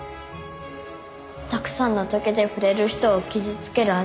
たくさんの棘で触れる人を傷つけるアザミ。